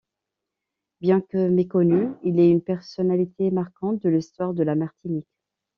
Bien que méconnu, il est une personnalité marquante de l'histoire de la Martinique.